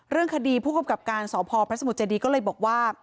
เรื่องคดีผู้กำกับการสพพระสมุทรเจดีก็เลยบอกว่า